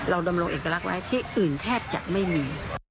ดำรงเอกลักษณ์ไว้ที่อื่นแทบจะไม่มี